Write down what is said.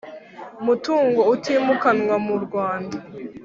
mutungo utimukanwa mu Rwanda